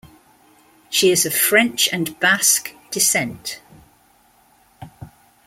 She is of French and Basque descent.